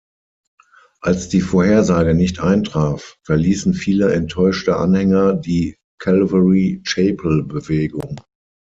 Als die Vorhersage nicht eintraf, verließen viele enttäuschte Anhänger die Calvary-Chapel-Bewegung.